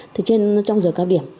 thế trên trong giờ cao điểm